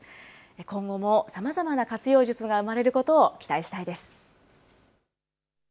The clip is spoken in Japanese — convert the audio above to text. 今後もさまざまな活用術が生まれることを期待したいです。